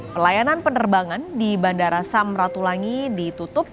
pelayanan penerbangan di bandara samratulangi ditutup